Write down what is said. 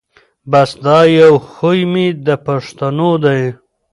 بس دا یو خوی مي د پښتنو دی